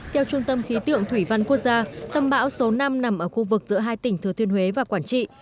theo trung tâm khí tượng thủy văn quốc gia tâm bão số năm nằm ở khu vực giữa hai tỉnh thừa thiên huế và quản trị